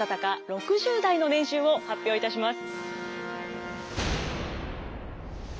６０代の年収を発表いたします。